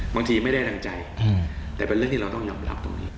บางทีไม่ได้ดังใจแต่เป็นเรื่องที่เราต้องยอมรับตรงนี้